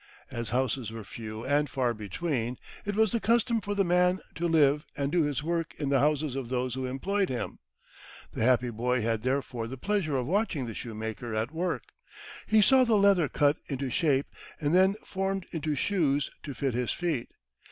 As houses were few and far between, it was the custom for the man to live and do his work in the houses of those who employed him. The happy boy had therefore the pleasure of watching the shoemaker at work. He saw the leather cut into shape, and then formed into shoes to fit his feet.